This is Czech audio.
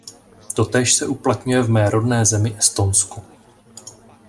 Totéž se uplatňuje v mé rodné zemi, Estonsku.